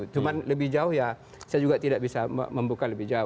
cuma lebih jauh ya saya juga tidak bisa membuka lebih jauh